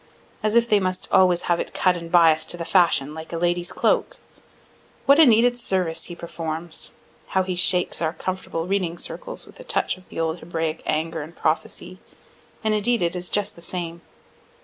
As if they must always have it cut and bias'd to the fashion, like a lady's cloak! What a needed service he performs! How he shakes our comfortable reading circles with a touch of the old Hebraic anger and prophecy and indeed it is just the same.